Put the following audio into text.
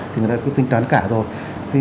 thì người ta cứ tính toán cả rồi